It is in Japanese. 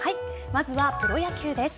まずはプロ野球です。